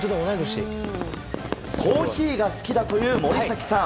コーヒーが好きだという森崎さん。